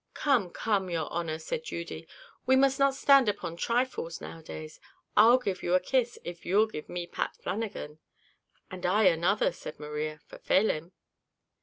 "Come, come, your honour," said Judy, "we must not stand upon trifles nowadays. I'll give you a kiss, if you'll give me Pat Flannagan." "And I another," said Maria, "for Felim."